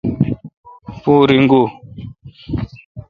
پو ریگو ۔